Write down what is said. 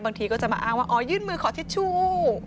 บางทีก็จะมาอ้างว่าอ๋อยื่นมือขอทิชชู่